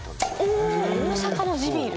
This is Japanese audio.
お大阪の地ビール。